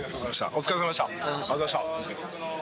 お疲れ様でした。